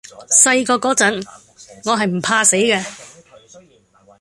細個嗰陣，我係唔怕死嘅